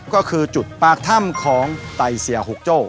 ก็คือจุดปากถ้ำของไตเสียหุกโจ้